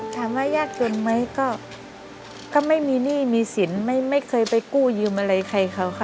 ถามว่ายากจนไหมก็ไม่มีหนี้มีสินไม่เคยไปกู้ยืมอะไรใครเขาค่ะ